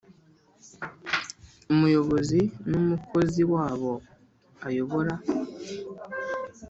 umuyobozi numukozi wabo ayobora